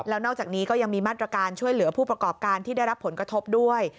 แล้วนอกจากนี้ก็ยังมีมาตรการช่วยเหลือผู้ประกอบการที่ได้รับผลกระทบด้วย